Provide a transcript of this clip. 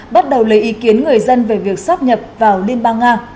bắt đầu lấy ý kiến người dân về việc sắp nhập vào liên bang nga